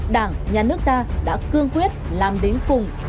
đảng nhà nước ta đã cương quyết làm đến cùng